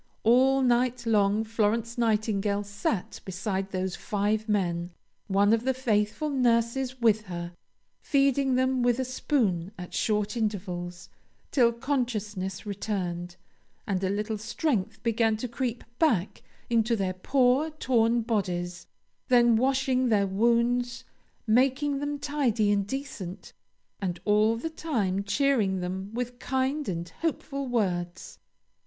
All night long Florence Nightingale sat beside those five men, one of the faithful nurses with her, feeding them with a spoon at short intervals till consciousness returned, and a little strength began to creep back into their poor torn bodies; then washing their wounds, making them tidy and decent, and all the time cheering them with kind and hopeful words.